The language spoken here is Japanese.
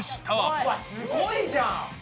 うわすごいじゃん！